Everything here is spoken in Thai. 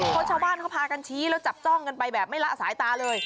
เพราะชาวบ้านเขาพากันชี้แล้วจับจ้องกันไปแบบไม่ละสายตาเลย